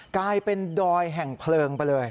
กลายเป็นดอยแห่งเพลิงไปเลย